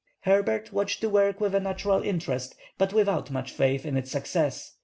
Herbert watched the work with a natural interest, but without much faith in its success.